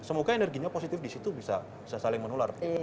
semoga energinya positif di situ bisa saling menular